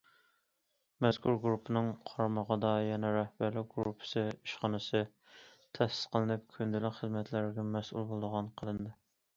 مەزكۇر گۇرۇپپىنىڭ قارمىقىدا يەنە رەھبەرلىك گۇرۇپپىسى ئىشخانىسى تەسىس قىلىنىپ، كۈندىلىك خىزمەتلەرگە مەسئۇل بولىدىغان قىلىندى.